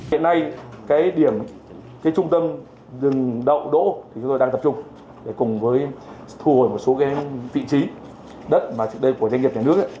hiện nay cái điểm cái trung tâm rừng đậu đỗ thì chúng tôi đang tập trung để cùng với thu hồi một số vị trí đất của doanh nghiệp nhà nước